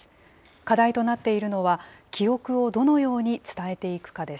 課題となっているのは、記憶をどのように伝えていくかです。